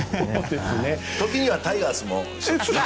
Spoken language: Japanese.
時にはタイガースも。